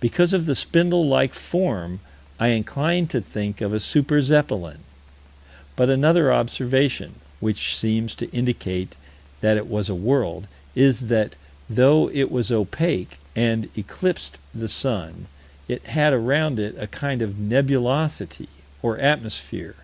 Because of the spindle like form, I incline to think of a super Zeppelin, but another observation, which seems to indicate that it was a world, is that, though it was opaque, and "eclipsed the sun," it had around it a kind of nebulosity or atmosphere?